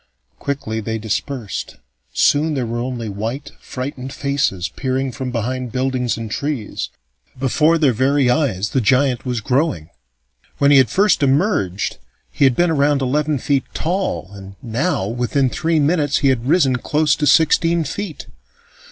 Quickly they dispersed. Soon there were only white, frightened faces peering from behind buildings and trees. Before their very eyes the giant was growing. When he had first emerged, he had been around eleven feet tall, and now, within three minutes, he had risen close to sixteen feet.